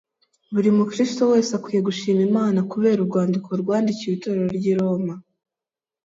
Buri Mukristo wese akwiye gushima Imana kubera urwandiko rwandikiwe Itorero ry’i Roma.